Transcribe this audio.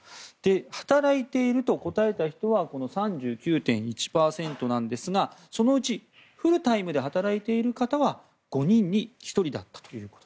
働いていると答えた人は３９．１％なんですがそのうちフルタイムで働いている方は５人に１人だったと。